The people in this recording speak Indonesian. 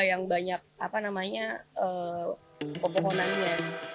yang banyak apa namanya pepohonannya